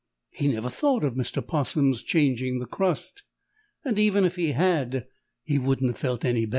He never thought of Mr. 'Possum's changing the crust, and even if he had, he wouldn't have felt any better.